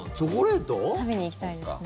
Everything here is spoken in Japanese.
食べにいきたいですね。